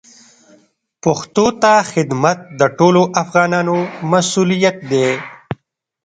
پښتو ته خدمت د ټولو افغانانو مسوولیت دی.